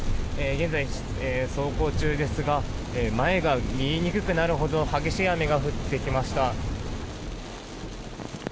現在、走行中ですが前が見えにくくなるほどの激しい雨が降ってきました。